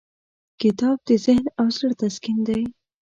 کتاب د ذهن او زړه تسکین دی.